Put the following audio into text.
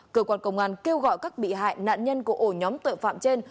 cơ quan công an kêu gọi các bị hại nạn nhân của ổ nhóm tội phạm trên